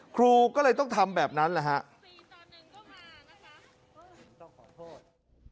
ครูก็เลยต้องทำแบบนั้นนะครับ